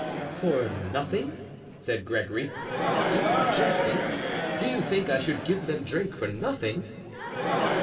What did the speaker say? "For nothing?" said Gregory. "You are jesting. Do you think I should give them drink for nothing?"